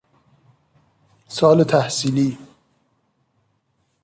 سال تحصیلی